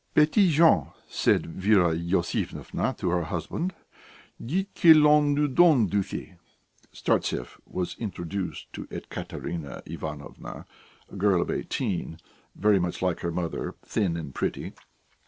"Petit Jean," said Vera Iosifovna to her husband, "dites que l'on nous donne du thé." Startsev was introduced to Ekaterina Ivanovna, a girl of eighteen, very much like her mother, thin and pretty.